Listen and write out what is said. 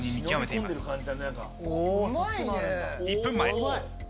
１分前。